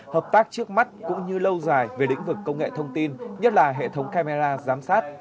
hợp tác trước mắt cũng như lâu dài về lĩnh vực công nghệ thông tin nhất là hệ thống camera giám sát